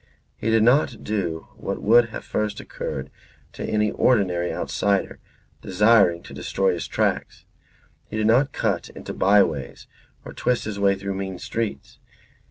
He did not do what would have first occurred to any ordinary outsider desiring to destroy his tracks. He did not cut into by ways or twist his way through mean streets.